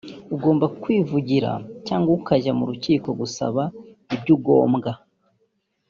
ugomba kwivugira cyangwa ukajya mu rukiko gusaba ibyo ugombwa